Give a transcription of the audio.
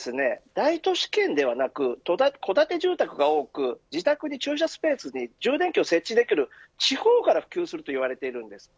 大都市圏ではなく戸建て住宅が多く自宅の駐車スペースに充電器を設置できる地方から普及すると言われています。